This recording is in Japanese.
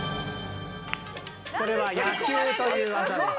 これは野球という技です。